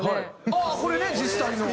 あっこれね実際の。